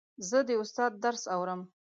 زه د استاد درس اورم.